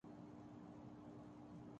یہ سب باتیں پیش نظر نہ ہوں۔